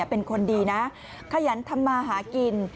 เป็นคนดีนะขยันทำมาหากิน